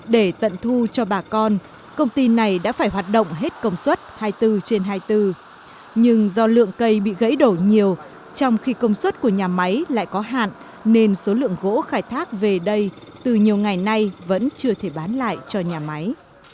các diện tích cây tràm keo sắp đến độ tuổi thu hoạch của bà con nông dân bị gãy đổ nhiều trong khi công suất của nhà máy lại có hạn nên số lượng gỗ khai thác về đây từ nhiều ngày nay vẫn chưa thể bán lại cho nhà máy